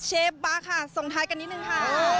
เชฟบ๊าค่ะส่งท้ายกันนิดนึงค่ะ